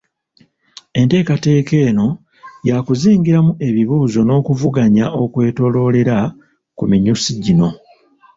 Enteekateeka eno yakuzingiramu ebibuuzo n’okuvuganya okwetoloolera ku minyusi gino